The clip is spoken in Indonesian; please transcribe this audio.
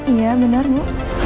iya benar bu